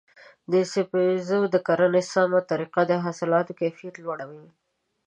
د سبزیو د کرنې سمه طریقه د حاصلاتو کیفیت لوړوي.